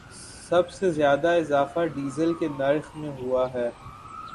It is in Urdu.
سب سے زیادہ اضافہ ڈیزل کے نرخ میں ہوا ہے